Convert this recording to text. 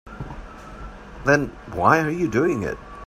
Then why are you doing it?